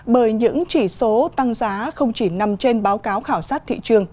bởi những chỉ số tăng giá không chỉ nằm trên báo cáo khảo sát thị trường